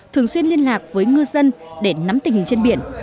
thường xuyên liên lạc với ngư dân để nắm tình hình trên biển